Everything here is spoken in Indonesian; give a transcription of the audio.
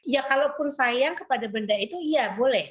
ya kalau pun sayang kepada benda itu iya boleh